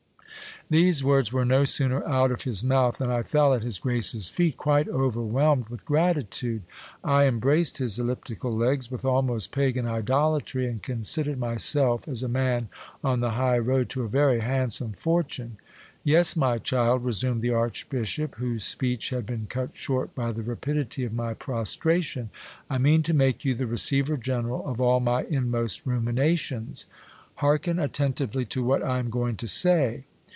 These words were no sooner out of his mouth, than I fell at his grace's feet, quite overwhelmed with gratitude. I embraced his elliptical legs with almost pagan idolatry, and considered myself as a man on the high road to a very handsome fortune. Yes, my child, resumed the archbishop, whose speech had been cut short by the rapidity of my prostration, I mean to make you the re ceiver general of all my inmost ruminations. Hearken attentively to what I am going to say.